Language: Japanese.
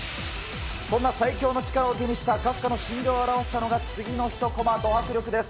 そんな最強の力を手にしたカフカの心情を表したのが次の１コマ、ど迫力です。